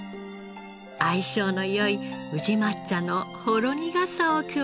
相性の良い宇治抹茶のほろ苦さを加えれば。